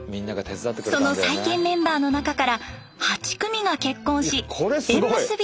その再建メンバーの中から８組が結婚し縁結び